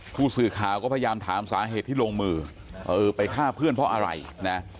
ผู้สื่อข่าวก็พยายามถามสาเหตุที่ลงมือเออไปฆ่าเพื่อนเพราะอะไรนะ